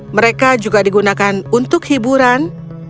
mereka juga digunakan untuk hiburan